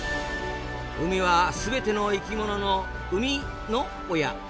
海はすべての生きものの「生み」の親。